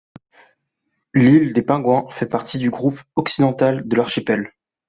L'île des Pingouins fait partie du groupe occidental de l'archipel.